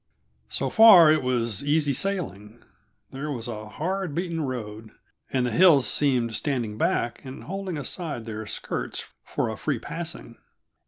So far it was easy sailing. There was a hard beaten road, and the hills seemed standing back and holding aside their skirts for a free passing.